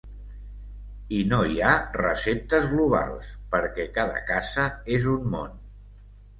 I no hi ha receptes globals, perquè cada casa és un món.